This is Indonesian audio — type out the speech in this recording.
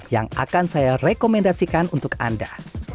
yang akan saya rekomendasikan untuk anda